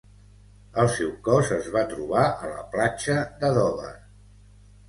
El seu cos es va trobar a la platja de Dover.